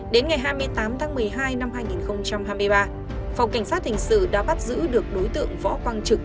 đến ngày hai mươi tám tháng một mươi hai năm hai nghìn hai mươi ba phòng cảnh sát hình sự đã bắt giữ được đối tượng võ quang trực